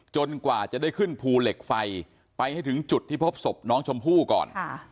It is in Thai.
กว่าจะได้ขึ้นภูเหล็กไฟไปให้ถึงจุดที่พบศพน้องชมพู่ก่อน